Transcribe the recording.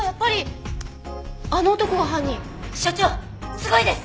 すごいです！